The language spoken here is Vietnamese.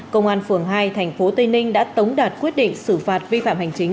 công an phường hai thành phố tây ninh đã tống đạt quyết định xử phạt vi phạm hành chính